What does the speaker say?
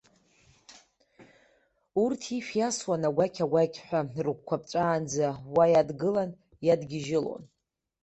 Урҭ ишә иасуан агәақь-агәақьҳәа, рыгәқәа ԥҵәаанӡа уа иадгылан, иадгьежьылон.